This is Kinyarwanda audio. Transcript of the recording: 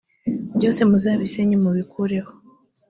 byose muzabisenye mubikureho.